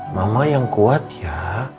mama yang kuat ya